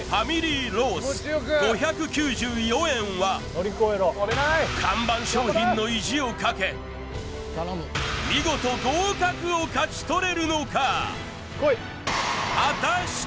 ・大丈夫は看板商品の意地をかけ見事合格を勝ち取れるのか？